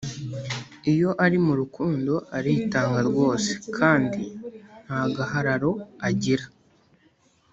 iyo ari mu rukundo aritanga rwose kandi ntagahararo agira